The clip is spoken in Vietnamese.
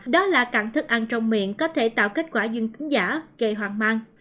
đó là cặn thức ăn trong miệng có thể tạo kết quả dương tính giả gây hoang mang